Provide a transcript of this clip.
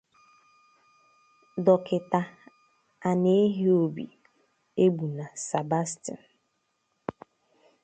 Dọkịta Aniehobi Egbuna Sebastian